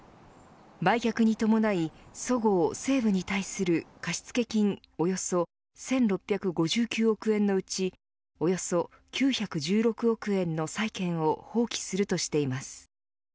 売却に伴いそごう・西武に対する貸付金およそ１６５９億円のうちおよそ９１６億円の債権を放棄するとしています。